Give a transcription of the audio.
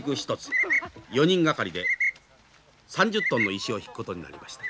４人掛かりで３０トンの石を引くことになりました。